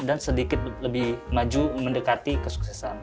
dan sedikit lebih maju mendekati kesuksesan